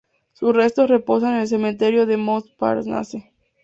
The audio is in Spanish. Sus restos reposan en el Cementerio de Montparnasse.